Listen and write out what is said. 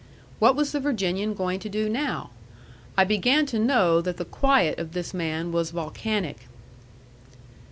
What was the Virginian going to do now? I began to know that the quiet of this man was volcanic.